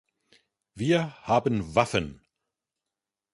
Wir haben Waffen.